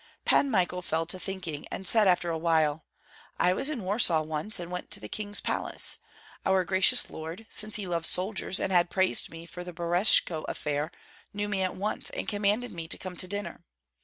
Pan Michael fell to thinking, and said after a while: "I was in Warsaw once, and went to the king's palace. Our gracious lord, since he loves soldiers and had praised me for the Berestechko affair, knew me at once and commanded me to come to dinner.